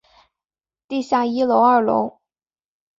地下一楼二楼